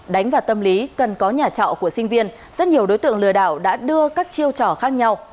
đánh vào tâm lý cần có nhà trọ của sinh viên rất nhiều đối tượng lừa đảo đã đưa các chiêu trò khác nhau